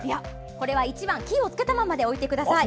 これは１番キーをつけたまま置いてください。